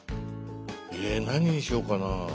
え何にしようかな。